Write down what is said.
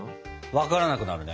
分からなくなるね。